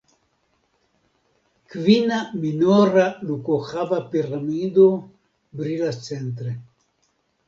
Kvina minora lukohava piramido brilas centre.